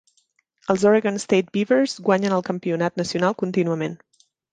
Els Oregon State Beavers guanyen el Campionat Nacional contínuament.